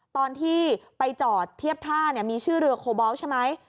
ตอนที่ไปจอดเทียบท่ามีชื่อเรือโคบอลใช่ไหม